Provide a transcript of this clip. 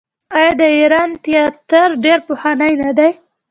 آیا د ایران تیاتر ډیر پخوانی نه دی؟